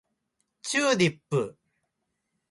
チューリップ